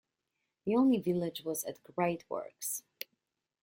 The only village was at Greatworks.